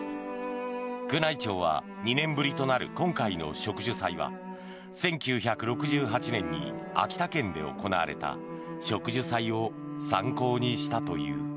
宮内庁は２年ぶりとなる今回の植樹祭は１９６８年に秋田県で行われた植樹祭を参考にしたという。